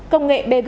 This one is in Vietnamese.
công nghệ bg